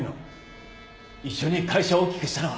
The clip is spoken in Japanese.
一緒に会社大きくしたのは。